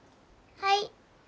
はい。